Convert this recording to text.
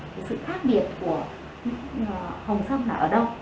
thì sự khác biệt của hồng xăm là ở đâu